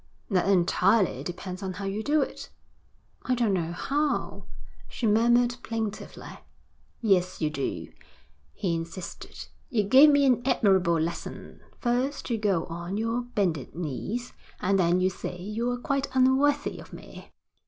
'That entirely depends on how you do it.' 'I don't know how,' she murmured plaintively. 'Yes, you do,' he insisted. 'You gave me an admirable lesson. First you go on your bended knees, and then you say you're quite unworthy of me.'